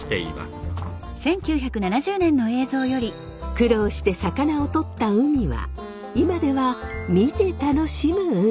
苦労して魚をとった海は今では見て楽しむ海へ。